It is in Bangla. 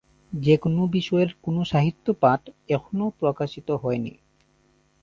যেকোনো বিষয়ের কোন সাহিত্য পাঠ এখনও প্রকাশিত হয়নি।